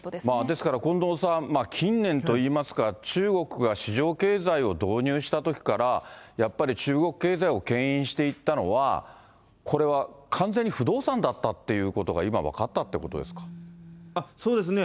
ですから、近藤さん、近年といいますか、中国が市場経済を導入したときから、やっぱり中国経済をけん引していったのは、これは完全に不動産だったということが今、そうですね。